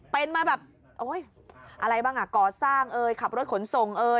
เป็นมาแบบอะไรบ้างอ่ะก่อสร้างขับรถขนส่ง